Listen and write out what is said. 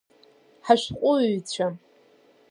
Ҳашәҟәыҩҩцәа!